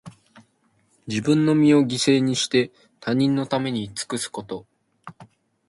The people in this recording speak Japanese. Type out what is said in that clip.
自分の身を犠牲にして、他人のために尽くすこと。